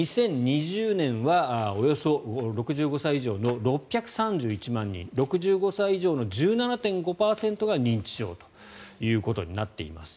２０２０年はおよそ６５歳以上の６３１万人６５歳以上の１７．５％が認知症ということになっています。